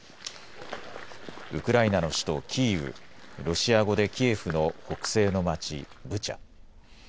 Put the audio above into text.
ウクライナの首都キーウ、ロシア語でキエフの北西の町ブチャ。